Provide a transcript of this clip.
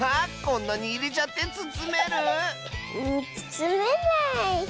こんなにいれちゃってつつめる⁉つつめない。